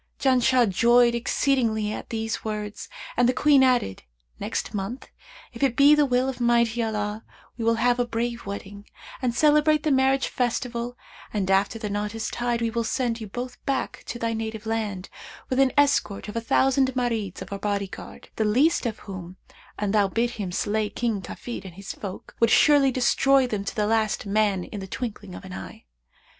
Janshah joyed exceedingly at these words and the Queen added, 'Next month, if it be the will of Almighty Allah, we will have a brave wedding and celebrate the marriage festival and after the knot is tied we will send you both back to thy native land, with an escort of a thousand Marids of our body guard, the least of whom, an thou bid him slay King Kafid and his folk, would surely destroy them to the last man in the twinkling of an eye.